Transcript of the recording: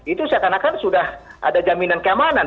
itu seakan akan sudah ada jaminan keamanan